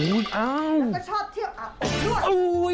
แล้วก็ชอบเที่ยวอาบองด้วย